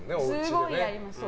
すごいやります。